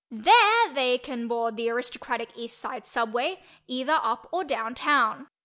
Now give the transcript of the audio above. There they can board the aristocratic East Side Subway, either "up" or "down" town.